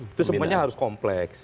itu sebenarnya harus kompleks